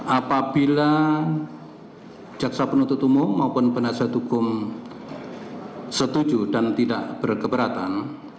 apabila jaksa penuntut umum maupun penasihat hukum setuju dan tidak berkeberatan